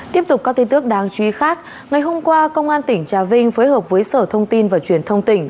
tiếp tục các tin tức đáng chú ý khác ngày hôm qua công an tỉnh trà vinh phối hợp với sở thông tin và truyền thông tỉnh